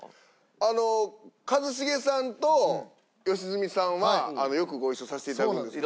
あの一茂さんと良純さんはよくご一緒させていただくんですけど。